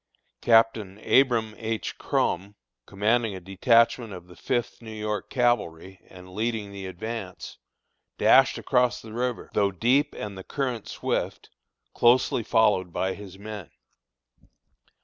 Captain Abram H. Krom, commanding a detachment of the Fifth New York Cavalry, and leading the advance, dashed across the river, though deep and the current swift, closely followed by his men.